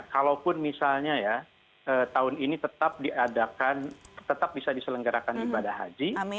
kalaupun misalnya ya tahun ini tetap diadakan tetap bisa diselenggarakan ibadah haji